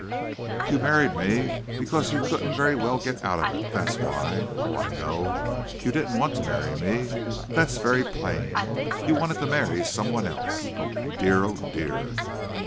"You married me because you couldn't very well get out of it, that's why. Oh, I know. You didn't want to marry me. That's very plain. You wanted to marry someone else. Oh, dear! oh, dear!"